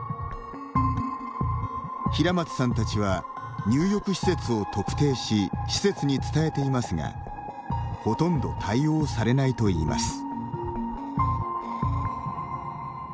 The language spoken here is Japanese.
平松さんたちは入浴施設を特定し施設に伝えていますがほとんど対応されないといいます。